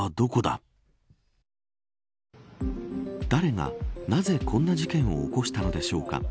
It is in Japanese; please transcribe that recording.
誰が、なぜこんな事件を起こしたのでしょうか。